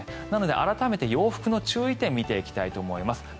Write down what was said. なので改めて洋服の注意点を見ていきたいと思います。